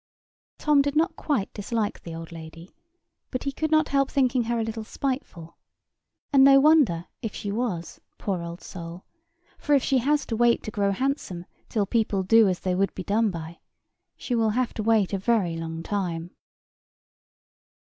Tom did not quite dislike the old lady: but he could not help thinking her a little spiteful—and no wonder if she was, poor old soul; for if she has to wait to grow handsome till people do as they would be done by, she will have to wait a very long time.